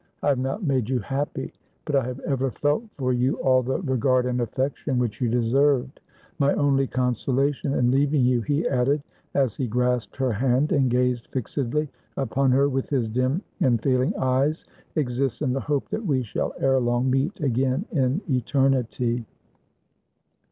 I have not made you happy; but I have ever felt for you all the regard and affection which you deserved. My only con solation in leaving you," he added, as he grasped her hand, and gazed fixedly upon her with his dim and fail ing eyes, "exists in the hope that we shall ere long meet again in eternity."